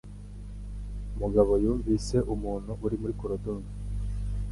Mugabo yumvise umuntu uri muri koridoro